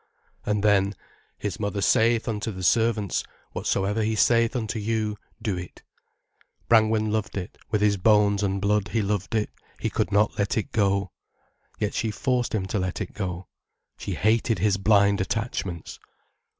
And then: "His mother saith unto the servants, 'Whatsoever he saith unto you, do it.'" Brangwen loved it, with his bones and blood he loved it, he could not let it go. Yet she forced him to let it go. She hated his blind attachments.